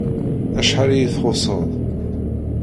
Acḥal iyi-txuṣṣeḍ!